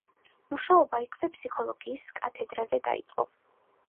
მუშაობა იქვე, ფსიქოლოგიის კათედრაზე დაიწყო.